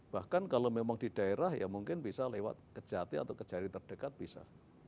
bahkan kalau memang di daerah ya mungkin bisa lewat kejati atau kejari terdekat bisa